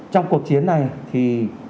trong cuộc chiến này thì